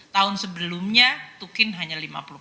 tahun sebelumnya tukin hanya lima puluh empat